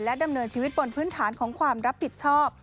ดำเนินชีวิตบนพื้นฐานของความรับผิดชอบ